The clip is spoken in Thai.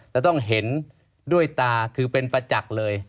เราต้องเห็นด้วยตาคือเป็นประจักษ์เลย